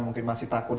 mungkin masih takut